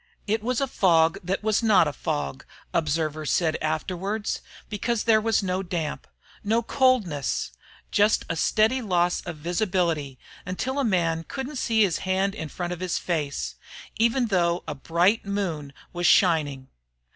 It was a fog that was not a fog, observers said afterwards, because there was no damp, no coldness just a steady loss of visibility until a man couldn't see his hand held up in front of his face, even though a bright moon was shining.